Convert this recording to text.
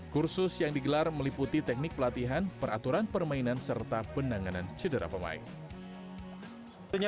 kursus yang digelar meliputi teknik pelatihan peraturan permainan serta penanganan cedera pemain